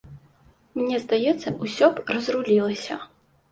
Мне здаецца, усё б разрулілася.